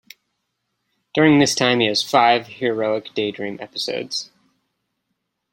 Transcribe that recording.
During this time he has five heroic daydream episodes.